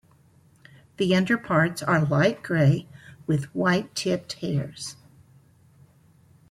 The underparts are light grey, with white-tipped hairs.